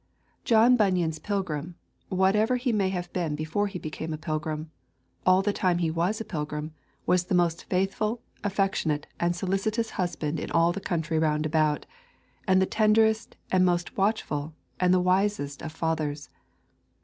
John Bunyan's pilgrim, whatever he may have been before he became a pilgrim, all the time he was a pilgrim, was the most faithful, affectionate, and solicitous husband in all the country round about, and the tenderest, the most watchful, and the wisest of fathers.